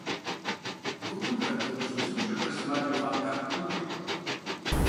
Гупым хэт дыгъужь узыншэхэр сымаджэ хъуам дэӏэпыкъуну хуиткъым.